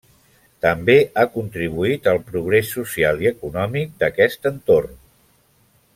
També ha contribuït al progrés social i econòmic d'aquest entorn.